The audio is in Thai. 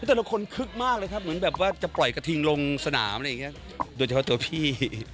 แต่ละคนคึกมากเลยครับเหมือนแบบว่าจะปล่อยกระทิงลงสนามอะไรอย่างเงี้ยโดยเฉพาะตัวพี่